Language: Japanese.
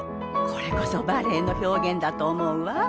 これこそバレエの表現だと思うわ。